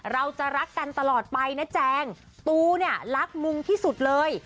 เราจะรักกันตลอดไปนะแจงตูเนี่ยรักมุงที่สุดเลย